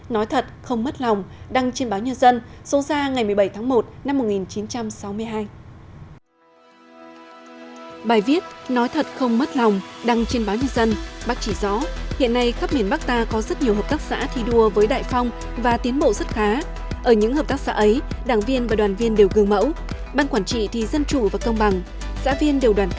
nói thật không mất lòng đăng trên báo nhân dân số ra ngày một mươi bảy tháng một năm một nghìn chín trăm sáu mươi hai